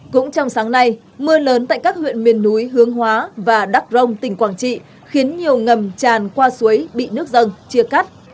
cũng trong sáng nay mưa lớn tại các huyện miền núi hướng hóa và đắc rông tỉnh quảng trị khiến nhiều ngầm tràn qua suối bị nước dâng chia cắt